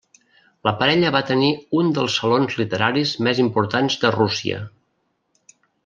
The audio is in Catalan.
La parella va tenir un dels salons literaris més importants de Rússia.